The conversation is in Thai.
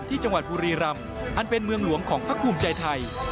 จังหวัดบุรีรำอันเป็นเมืองหลวงของพักภูมิใจไทย